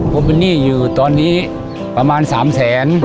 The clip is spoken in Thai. ผมปิ้นหนี้อยู่ตอนนี้ประมาณ๓๐๐๐๐๐บาท